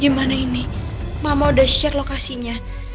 gimana ini mama udah share location nya